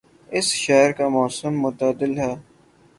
اس شہر کا موسم معتدل ہے